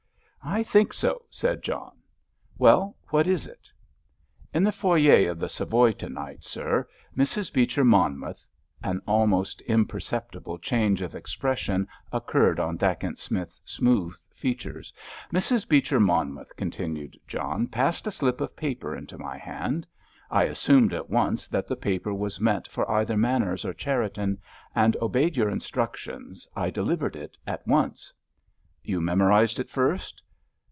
"I think so," said John. "Well, what is it?" "In the foyer of the Savoy to night, sir, Mrs. Beecher Monmouth"—an almost imperceptible change of expression occurred on Dacent Smith's smooth features—"Mrs. Beecher Monmouth," continued John, "passed a slip of paper into my hand. I assumed at once that the paper was meant for either Manners or Cherriton, and, obeying your instructions, I delivered it at once." "You memorised it first?"